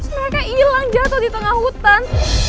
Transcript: mereka hilang jatuh di tengah hutan